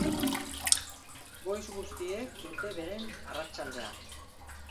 Goiz guztiek dute beren arratsaldea.